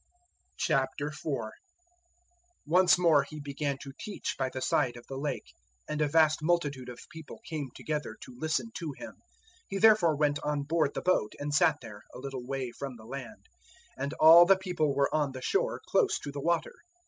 004:001 Once more He began to teach by the side of the Lake, and a vast multitude of people came together to listen to Him. He therefore went on board the boat and sat there, a little way from the land; and all the people were on the shore close to the water.